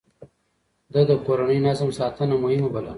ده د کورني نظم ساتنه مهمه بلله.